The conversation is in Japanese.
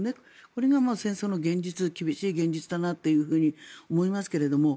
これが戦争の現実厳しい現実だなと思いますけど。